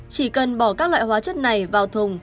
chỉ cần bỏ các loại hóa chất này vào thùng